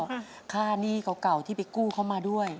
แล้วก็ค่าหนี้เก่าที่ไปกู้เขามาด้วย